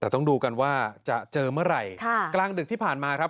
แต่ต้องดูกันว่าจะเจอเมื่อไหร่กลางดึกที่ผ่านมาครับ